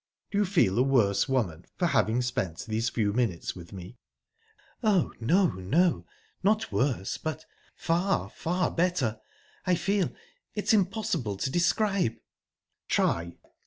"Do you feel a worse woman for having spent these few minutes with me?" "Oh, no no!...Not worse, but, far, far better! I feel...it's impossible to describe..." "Try!"